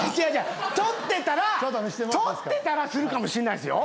取ってたら取ってたらするかもしんないっすよ。